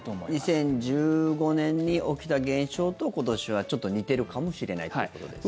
２０１５年に起きた現象と今年はちょっと似てるかもしれないということですね。